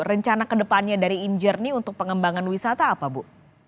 rencana kedepannya dari injerni untuk pengembangan wisata apa bu